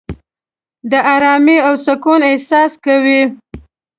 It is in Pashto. د آرامۍ او سکون احساس کوې.